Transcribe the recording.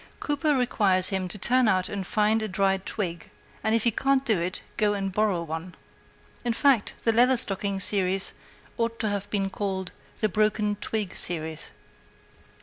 Cooper requires him to turn out and find a dry twig; and if he can't do it, go and borrow one. In fact, the Leather Stocking Series ought to have been called the Broken Twig Series.